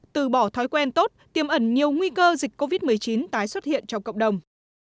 từ bỏ thói quen tốt tiêm ẩn nhiều nguy cơ dịch covid một mươi chín tái xuất hiện trong cộng đồng